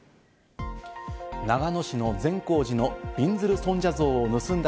長野市の善光寺のびんずる尊者像を盗んだ